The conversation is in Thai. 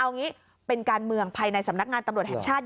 เอางี้เป็นการเมืองภายในสำนักงานตำรวจแห่งชาติ